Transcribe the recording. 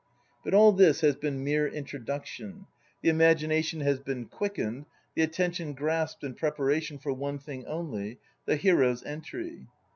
But all this has been mere introduction the imagination has been quickened, the attention grasped in preparation for one thing only the hero's entry.